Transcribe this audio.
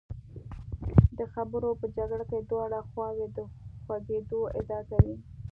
د خبرو په جګړه کې دواړه خواوې د خوږېدو ادعا کوي.